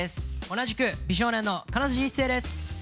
同じく美少年の金指一世です。